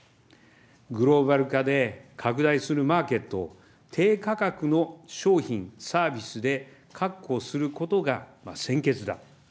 グローバル化で拡大するマーケットを低価格の商品・サービスで確保することが先決だ。